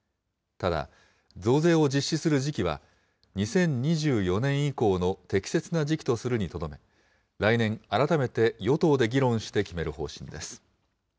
ただ、増税を実施する時期は、２０２４年以降の適切な時期とするにとどめ、来年、改めて与党で議論して決める方針です。